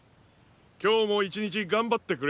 今日も一日頑張ってくれ！